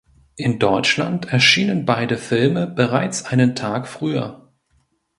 In Deutschland erschienen beide Filme bereits einen Tag früher.